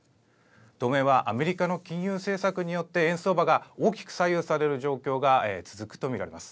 当面はアメリカの金融政策によって円相場が大きく左右される状況が続くと見られます。